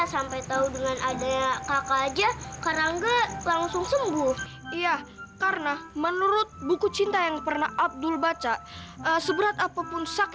sampai jumpa di video selanjutnya